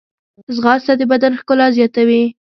ځغاسته د بدن ښکلا زیاتوي